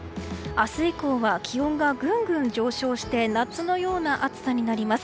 明日以降は気温がぐんぐん上昇して夏のような暑さになります。